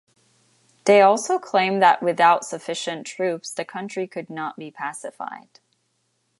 They also claim that without sufficient troops the country could not be pacified.